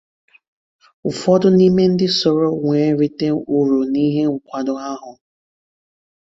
ụfọdụ n'ime ndị soro wee rite urù n'ihe nkwàdo ahụ